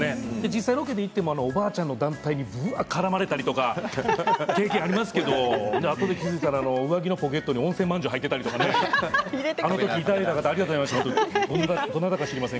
実際にロケで行ってもおばあちゃんの団体に絡まれたりという経験がありますけどあとで気が付いたら上着のポケットに温泉まんじゅうが入っていたりあの時にいただいた方ありがとうございました。